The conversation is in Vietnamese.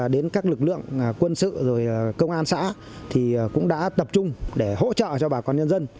đến các lực lượng quân sự rồi công an xã thì cũng đã tập trung để hỗ trợ cho bà con nhân dân